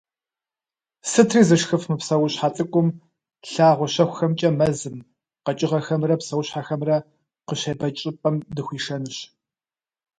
Сытри зышхыф мы псэущхьэ цӏыкӏум лъагъуэ щэхухэмкӏэ мэзым къэкӏыгъэхэмрэ псэущхьэхэмрэ къыщебэкӏ щӏыпӏэм дыхуишэнущ.